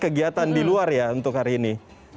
kegiatan di luar ya untuk hari ini